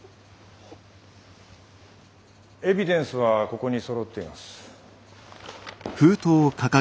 エビデンスはここにそろっています。